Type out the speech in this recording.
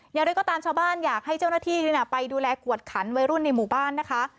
อย่างไรก็ตามชาวบ้านอยากให้เจ้าหน้าที่ไปดูแลกวดขันวัยรุ่นในหมู่บ้านนะคะ